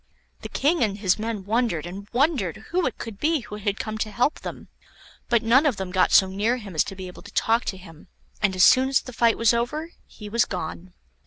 The King and his men wondered and wondered who it could be who had come to help them, but none of them got so near him as to be able to talk to him, and as soon as the fight was over he was gone.